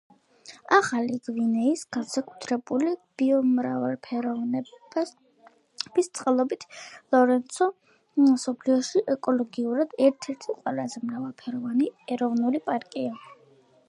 ახალი გვინეის განსაკუთრებული ბიომრავალფეროვნების წყალობით, ლორენცი მსოფლიოში ეკოლოგიურად ერთ-ერთი ყველაზე მრავალფეროვანი ეროვნული პარკია.